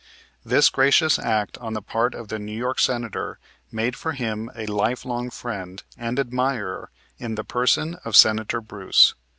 This gracious act on the part of the New York Senator made for him a lifelong friend and admirer in the person of Senator Bruce.